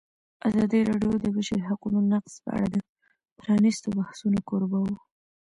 ازادي راډیو د د بشري حقونو نقض په اړه د پرانیستو بحثونو کوربه وه.